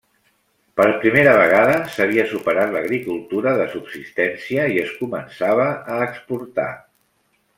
Per primera vegada s'havia superat l'agricultura de subsistència i es començava a exportar.